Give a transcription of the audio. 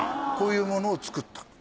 こういうものを作った。